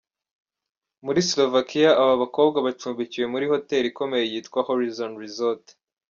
Muri Slovakia aba bakobwa bacumbikiwe muri hoteli ikomeye yitwa Horizon Resort.